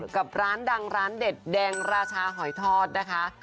กับร้านดังร้านเด็ดแดงราชาหอยทอดนะคะ